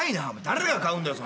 誰が買うんだよ